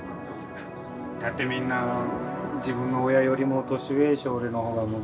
だってみんな自分の親よりも年上でしょう